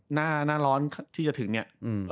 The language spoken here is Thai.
หน้าร้อนที่จะถึงเนี่ย